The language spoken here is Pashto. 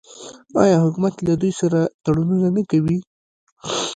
آیا حکومت له دوی سره تړونونه نه کوي؟